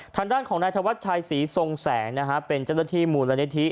ทางด้านของนายธวัดชายศรีทรงแสงเป็นเจ้าตระที่มูลนิธิ์